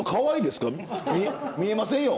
見えませんよ。